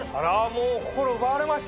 もう心奪われました！